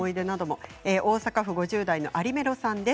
大阪府５０代の方。